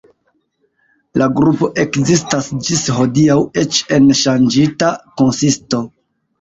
La grupo ekzistas ĝis hodiaŭ eĉ en ŝanĝita konsisto.